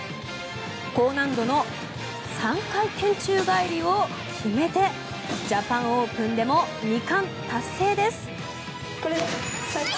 高難度の３回転宙返りを決めてジャパンオープンでも２冠達成です。